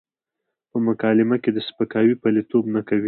په مکالمه کې د سپکاوي پلويتوب نه کوي.